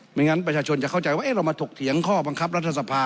ไม่งั้นประชาชนจะเข้าใจว่าเรามาถกเถียงข้อบังคับรัฐสภา